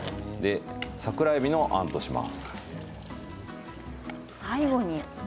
桜えびのあんとします。